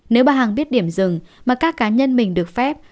nếu bà hằng biết điểm rừng mà các cá nhân mình được phép